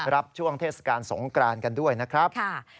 รับช่วงเทศกาลสงกรานกันด้วยนะครับ